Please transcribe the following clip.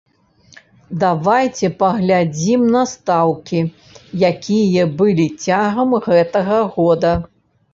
Давайце паглядзім на стаўкі, якія былі цягам гэтага года.